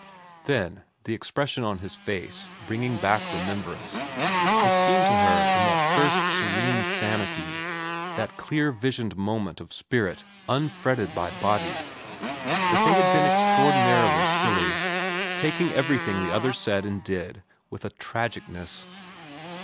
Then, the expression on his face bringing back remembrance, it seemed to her in that first serene sanity, that clear visioned moment of spirit unfretted by body, that they had been extraordinarily silly, taking everything the other one said and did with a tragicness.